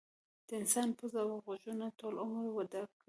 د انسان پوزه او غوږونه ټول عمر وده کوي.